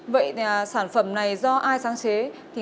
vậy sản phẩm này do ai sáng chế